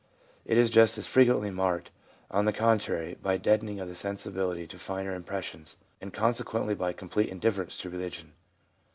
It is just as frequently marked, on the contrary, by deadening of the sensibility to finer im pressions, and consequently by complete indifference to religion.